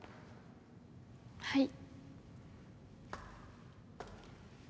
はい。